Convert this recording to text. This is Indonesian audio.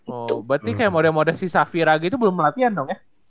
oh berarti kayak model model si safira gitu belum latihan dong ya